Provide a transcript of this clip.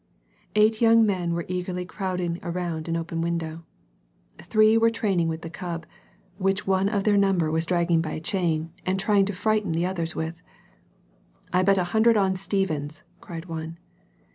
Eight young men were eagerly crowding around an open window. Three were training with the cub, which one of their number was dragging by a chain and trying to frighten the others with. " I bet a hundred on Stevens," cried one.